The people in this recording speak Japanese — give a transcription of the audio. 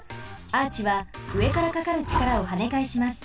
アーチは上からかかるちからをはねかえします。